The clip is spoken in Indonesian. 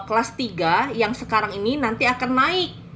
kelas tiga yang sekarang ini nanti akan naik